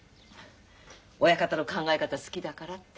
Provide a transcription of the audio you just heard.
親方の考え方好きだからって。